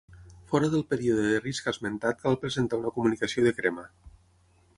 Fora del període de risc esmentat cal presentar una comunicació de crema.